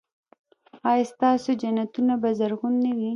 ایا ستاسو جنتونه به زرغون نه وي؟